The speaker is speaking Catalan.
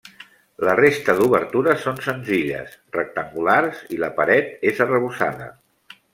La resta d’obertures són senzilles, rectangulars, i la paret és arrebossada.